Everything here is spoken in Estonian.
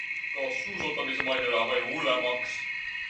Kas suusatamise maine läheb aina hullemaks?